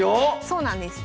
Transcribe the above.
そうなんです。